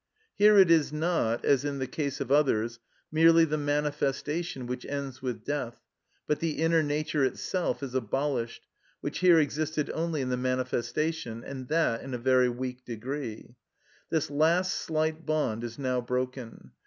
Here it is not, as in the case of others, merely the manifestation which ends with death; but the inner nature itself is abolished, which here existed only in the manifestation, and that in a very weak degree;(84) this last slight bond is now broken.